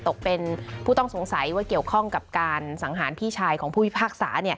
ตกเป็นผู้ต้องสงสัยว่าเกี่ยวข้องกับการสังหารพี่ชายของผู้พิพากษา